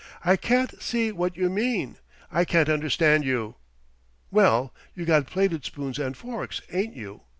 I can't see what you mean. I can't understand you." "Well, you got plated spoons and forks, ain't you?"